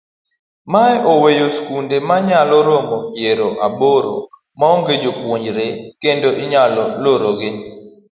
Mae oweyo skunde manyalo romo piero aboro maonge jopuonje kendo inyalo lorogi.